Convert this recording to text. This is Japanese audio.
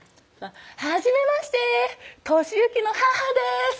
「はじめまして寿幸の母です」